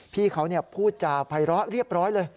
พี่เขาเนี่ยพูดจาไภร้อเรียบร้อยเลย